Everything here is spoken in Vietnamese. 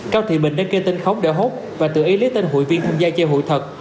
cao thị bình đã kê tên khóng đỡ hốt và tự ý lấy tên hủy viên tham gia chơi hủy thật